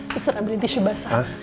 susah ambilin tisu basah